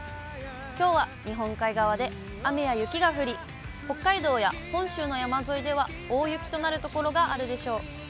きょうは日本海側で雨や雪が降り、北海道や本州の山沿いでは、大雪となる所があるでしょう。